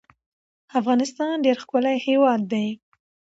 افغانستان ډیر ښکلی هیواد ده